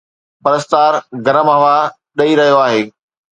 پرستار گرم هوا ڏئي رهيو آهي